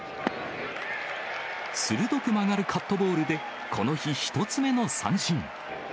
鋭く曲がるカットボールで、この日１つ目の三振。